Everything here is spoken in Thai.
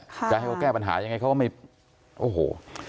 จะให้เขาแก้ปัญหายังไงเขาก็ไม่โอ้โห